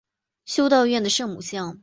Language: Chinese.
修道院的圣母像。